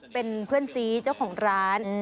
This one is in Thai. เป็นเพื่อนซีเจ้าของร้าน